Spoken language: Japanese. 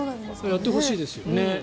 やってほしいですよね。